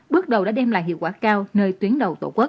bước đầu đã đem lại hiệu quả cao nơi tuyến đầu tổ quốc